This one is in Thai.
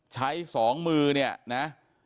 ใช้๒มือเนี่ยนะ